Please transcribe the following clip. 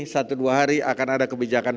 satu dua hari akan ada kebijakan